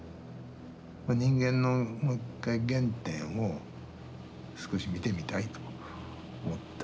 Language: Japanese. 人間のもう一回原点を少し見てみたいと思った。